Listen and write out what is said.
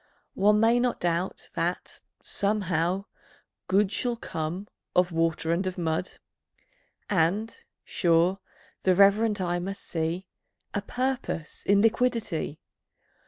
One may not doubt that, somehow, Good Shall come of Water and of Mud; And, sure, the reverent eye must see A Purpose in Liquidity.